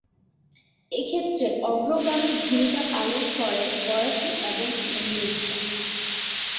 এক্ষেত্রে অগ্রগামী ভূমিকা পালন করে ফরাসী এবং ইংরেজরা।